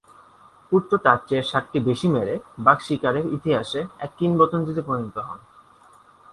পুত্র তার চেয়ে সাতটি বেশি মেরে বাঘ শিকারের ইতিহাসে এক কিংবদন্তিতে পরিণত হন।